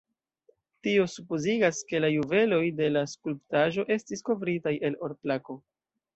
Tio supozigas, ke la juveloj de la skulptaĵo estis kovritaj el or-plako.